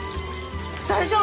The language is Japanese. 大丈夫